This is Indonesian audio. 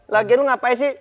lagian lu ngapain sih